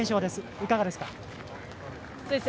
いかがですか？